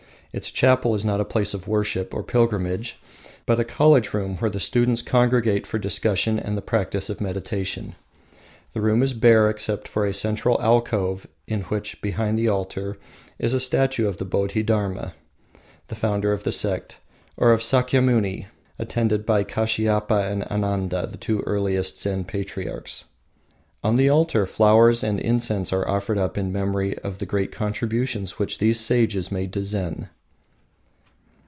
Its chapel is not a place of worship or pilgrimage, but a college room where the students congregate for discussion and the practice of meditation. The room is bare except for a central alcove in which, behind the altar, is a statue of Bodhi Dharma, the founder of the sect, or of Sakyamuni attended by Kashiapa and Ananda, the two earliest Zen patriarchs. On the altar, flowers and incense are offered up in the memory of the great contributions which these sages made to Zen.